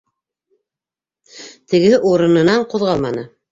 Тегеһе урынынан ҡуҙғалманы: